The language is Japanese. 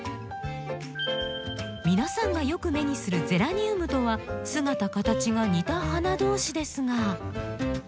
皆さんがよく目にする「ゼラニウム」とは姿形が似た花同士ですが。